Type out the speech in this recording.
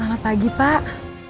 selamat pagi pak